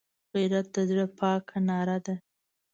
غیرت د زړه پاکه ناره ده